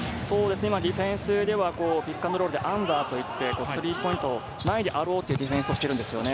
ディフェンスではピックアンドロールでアンダーといって、スリーポイントを前であろうというディフェンスをしてるんですね。